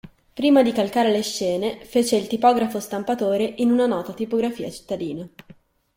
Prima di calcare le scene fece il tipografo stampatore in una nota tipografia cittadina.